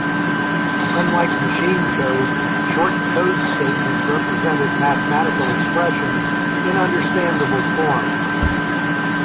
Unlike machine code, Short Code statements represented mathematical expressions in understandable form.